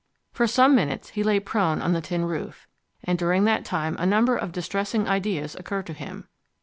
For some minutes he lay prone on the tin roof, and during that time a number of distressing ideas occurred to him.